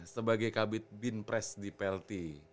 sebagai kabit binpres di plt